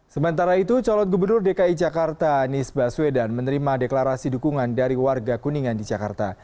sementara itu calon gubernur dki jakarta anies baswedan menerima deklarasi dukungan dari warga kuningan di jakarta